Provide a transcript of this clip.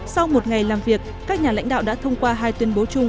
sau một ngày làm việc các nhà lãnh đạo đã thông qua hai tuyên bố chung